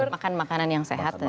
makan makanan yang sehat